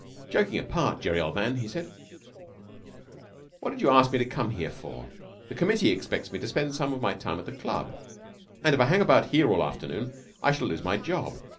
'Joking apart, Jerry, old man,' he said, 'what did you ask me to come here for? The committee expects me to spend some of my time at the club, and if I hang about here all the afternoon I shall lose my job.